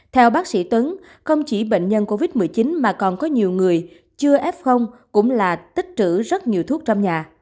theo bác sĩ tuấn không chỉ bệnh nhân covid một mươi chín mà còn có nhiều người chưa f cũng là tích trữ rất nhiều thuốc trong nhà